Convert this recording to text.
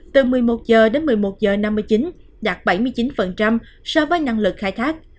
từ một mươi một h đến một mươi một h năm mươi chín đạt bảy mươi chín so với năng lực khai thác